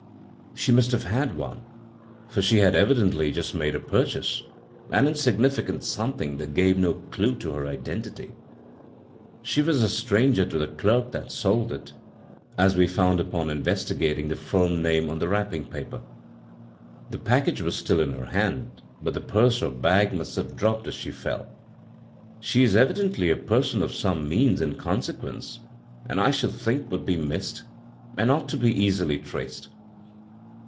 She must have had one, for she bad evidently just made a purchase — an insignih cant something that gave no clew to her identity. She was a stranger to the cleric that s<^d it, as we found upcm investigating the finn name on the wrapping paper. The pactmge was still in her hand, but the purse or bag must have dropped as she fell. She is evid^itly a person of some means and consequence, and I should think would be missed, and ought to be easily traced.